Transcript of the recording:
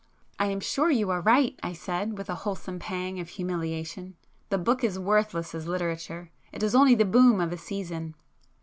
"I am sure you are right,"—I said, with a wholesome pang of humiliation—"The book is worthless as literature,—it is only the 'boom' of a season!"